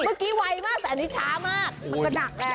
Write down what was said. เมื่อกี้ไวมากแต่อันนี้ช้ามาก